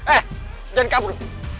eh jangan kabur